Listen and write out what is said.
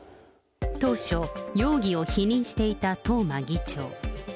当初、容疑を否認していた東間議長。